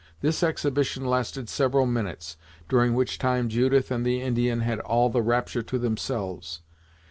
This exhibition lasted several minutes, during which time Judith and the Indian had all the rapture to themselves.